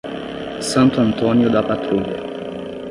Santo Antônio da Patrulha